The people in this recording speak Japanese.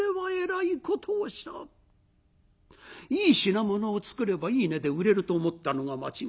いい品物を作ればいい値で売れると思ったのが間違い。